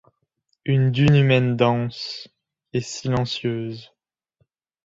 Une dune humaine dense… et silencieuse.